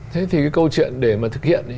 thế thì cái câu chuyện để mà thực hiện